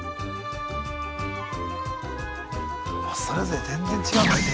それぞれ全然違うんだね